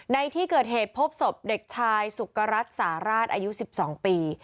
ในที่เกิดเหตุพบศพเด็กชายสุกรัฐสาราชอายุ๑๒ปี